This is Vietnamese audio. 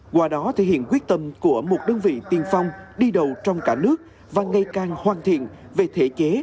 qua đó thể hiện quyết tâm của một đơn vị tiên phong đi đầu trong cả nước và ngày càng hoàn thiện về thể chế